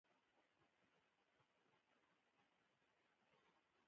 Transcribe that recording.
فخر زمان یو قوي بيټسمېن دئ.